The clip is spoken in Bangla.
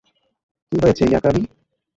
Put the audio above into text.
কী হয়েছে, ইয়াকারি?